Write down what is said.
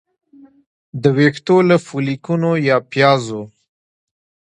د ویښتو له فولیکونو یا پیازو